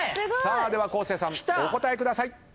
では昴生さんお答えください。